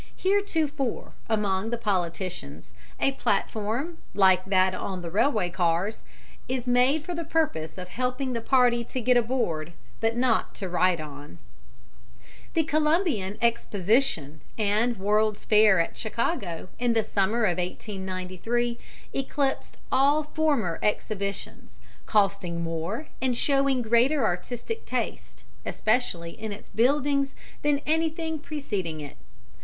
Heretofore among the politicians a platform, like that on the railway cars, "is made for the purpose of helping the party to get aboard, but not to ride on." The Columbian Exposition and World's Fair at Chicago in the summer of 1893 eclipsed all former Exhibitions, costing more and showing greater artistic taste, especially in its buildings, than anything preceding it.